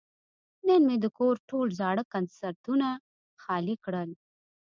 نن مې د کور ټول زاړه کنسترونه خالي کړل.